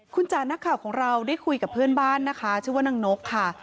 คุณจ๋านักข่าวของเราได้คุยกับเพื่อนบ้านนะคะชื่อว่านางนกค่ะ